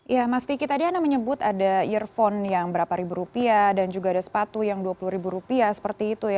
ya mas vicky tadi anda menyebut ada earphone yang berapa ribu rupiah dan juga ada sepatu yang dua puluh ribu rupiah seperti itu ya